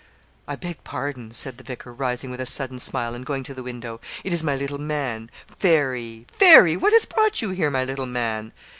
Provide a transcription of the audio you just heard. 'I beg pardon,' said the vicar, rising with a sudden smile, and going to the window. 'It is my little man. Fairy! Fairy! What has brought you here; my little man?'